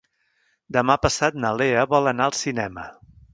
Demà passat na Lea vol anar al cinema.